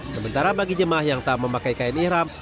sementara bagi jemaah yang tak memakai kain ihram